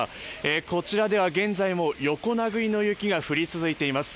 こちらでは現在も横殴りの雪が降り続いています。